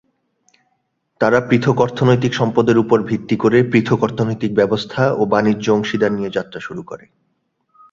তারা পৃথক অর্থনৈতিক সম্পদের উপর ভিত্তি করে পৃথক অর্থনৈতিক ব্যবস্থা ও বাণিজ্য অংশীদার নিয়ে যাত্রা শুরু করে।